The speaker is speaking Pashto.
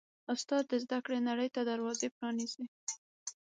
استاد د زده کړو نړۍ ته دروازه پرانیزي.